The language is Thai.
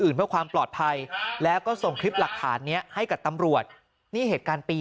เพื่อความปลอดภัยแล้วก็ส่งคลิปหลักฐานเนี้ยให้กับตำรวจนี่เหตุการณ์ปี